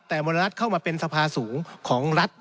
แต่มณรัฐเข้ามาเป็นสภาสูงของรัฐ